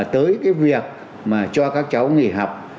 tới cái việc mà cho các cháu nghỉ học